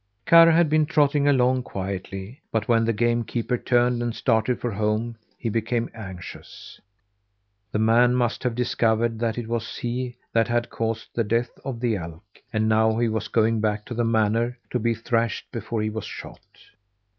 Karr had been trotting along quietly; but when the game keeper turned and started for home, he became anxious. The man must have discovered that it was he that had caused the death of the elk, and now he was going back to the manor to be thrashed before he was shot!